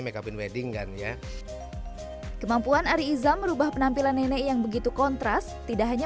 make up in wedding kan ya kemampuan ari izam merubah penampilan nenek yang begitu kontras tidak hanya